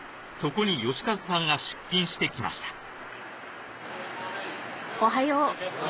そこに慶和さんが出勤してきました